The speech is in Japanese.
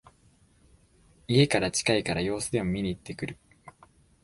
家から近いから様子でも見にいってくる